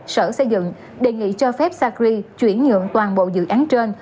sở xây dựng đề nghị cho phép sacri chuyển nhượng toàn bộ dự án trên